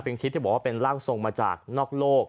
เป็นคลิปที่บอกว่าเป็นร่างทรงมาจากนอกโลก